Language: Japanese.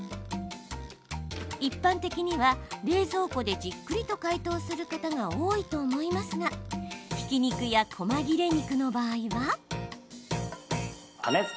一般的には、冷蔵庫でじっくりと解凍する方が多いと思いますがひき肉やこま切れ肉の場合は。